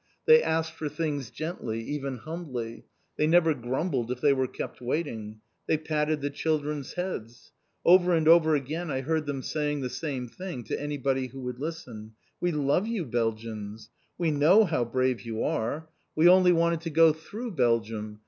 They asked for things gently, even humbly. They never grumbled if they were kept waiting. They patted the children's heads. Over and over again I heard them saying the same thing to anybody who would listen. "We love you Belgians! We know how brave you are. We only wanted to go through Belgium.